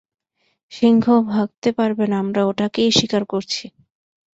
সিংহ ভাবতে পারবে না আমরা ওটাকেই শিকার করছি।